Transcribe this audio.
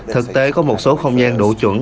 thực tế có một số không gian đủ chuẩn